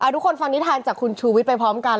ทุกคนฟังนิทานจากคุณชูวิทย์ไปพร้อมกัน